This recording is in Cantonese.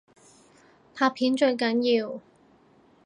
拍片最緊要